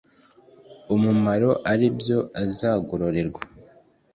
umumaro ari byo azagororerwa